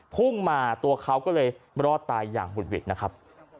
พุ่งมาตัวเขาก็เลยรอดตายอย่างหุดหวิดนะครับ